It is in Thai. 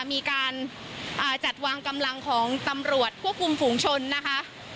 มีการจัดวางกำลังของตำรวจควบคุมฝูงชนนะคะ